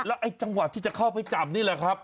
ไอ้จังหวะที่จะเข้าไปจับนี่แหละครับ